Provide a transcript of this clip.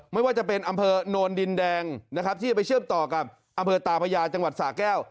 ไม่ว่าจะเป็นอำเภอโนนดินแดงนะครับที่จะไปเชื่อมต่อกับอำเภอตาพญาจังหวัดสาแก้ว